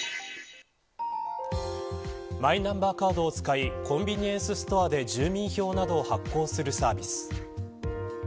マイナンバーカードを使いコンビニエンスストアで住民票などを発行するサービス。